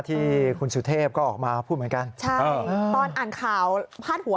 ที่คุณสุเทพก็ออกมาพูดเหมือนกันใช่ตอนอ่านข่าวพาดหัว